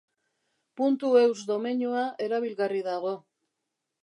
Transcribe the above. PuntuEus domeinua erabilgarri dago.